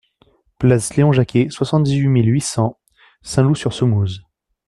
Place Léon Jacquey, soixante-dix mille huit cents Saint-Loup-sur-Semouse